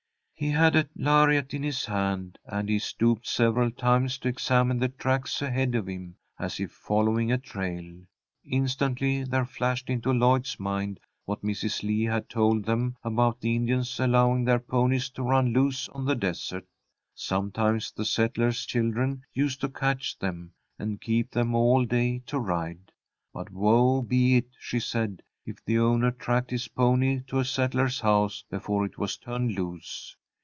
He had a lariat in his hand, and he stooped several times to examine the tracks ahead of him, as if following a trail. Instantly there flashed into Lloyd's mind what Mrs. Lee had told them about the Indians allowing their ponies to run loose on the desert. Sometimes the settlers' children used to catch them, and keep them all day to ride. But woe be it, she said, if the owner tracked his pony to a settler's house before it was turned loose.